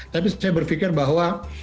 tapi saya berpikir bahwa